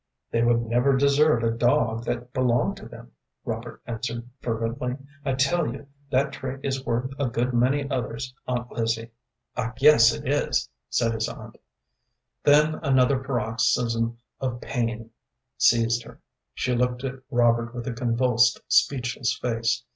"They would never desert a dog that belonged to them," Robert answered, fervently. "I tell you that trait is worth a good many others, Aunt Lizzie." "I guess it is," said his aunt. Then another paroxysm of pain seized her. She looked at Robert with a convulsed, speechless face.